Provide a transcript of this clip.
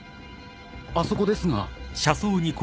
あそこですが。